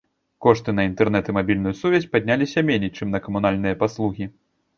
Кошты на інтэрнэт і мабільную сувязь падняліся меней, чым на камунальныя паслугі.